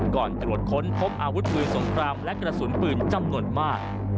ตรวจค้นพบอาวุธปืนสงครามและกระสุนปืนจำนวนมาก